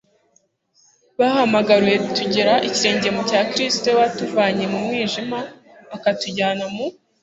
bahamagariwe, tugera ikirenge mu cya kristu we wadutoye atuvana mu mwijima akatujyana mu